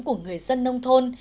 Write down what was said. của người dân nông thôn